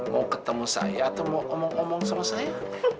mau ketemu saya atau mau omong omong sama saya